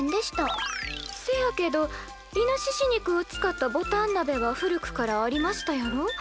せやけどイノシシ肉を使ったぼたんなべは古くからありましたやろ？